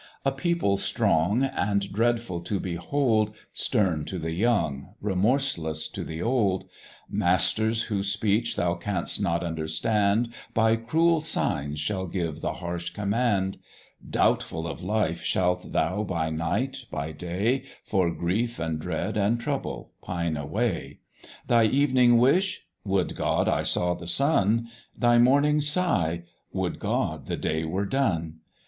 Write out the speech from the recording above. A people strong and dreadful to behold, Stern to the young, remorseless to the old; Masters whose speech thou canst not understand By cruel signs shall give the harsh command: Doubtful of life shalt thou by night, by day, For grief, and dread, and trouble pine away; Thy evening wish, Would God I saw the sun Thy morning sigh, Would God the day were done!